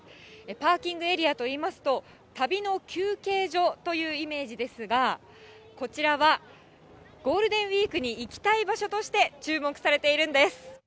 パーキングエリアといいますと、旅の休憩所というイメージですが、こちらは、ゴールデンウィークに行きたい場所として注目されているんです。